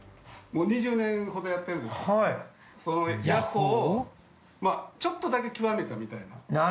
もう２０年ほどやってるんですけどそのヤッホーをちょっとだけきわめたみたいな。